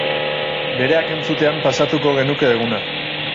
Bereak entzutean pasatuko genuke eguna.